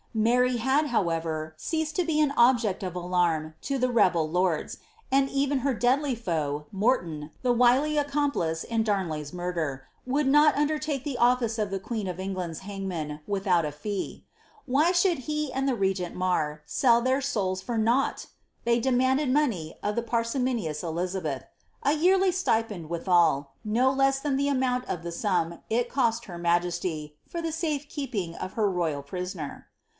Miiry had, however, ceased to be an object of alarm to the rebel lonls ; and even her deadly foe, Morton, the wily accomplice in Darn ley"*s muriler, would not undertake the office of the queen of England's hangman without a fee. Why should he and the regent Marr sell their souls for nought ? They demanded money of the jwrsimonious Eliza beth— a yearly stipend withal, no less than the amount of the sum it cost her majesty for the safe keeping of her royal prisoner.